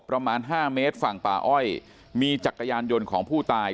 ประมาณ๕เมตรฝั่งป่าอ้อยมีจักรยานยนต์ของผู้ตาย